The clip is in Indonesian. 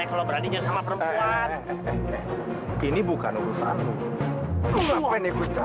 aku udah bilang sama kamu dan apapun yang terjadi kita putus titik jangan